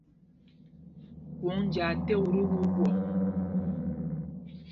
Kwòŋ njāā ték ú tí ɓuu ɓwɔk.